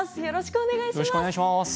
よろしくお願いします。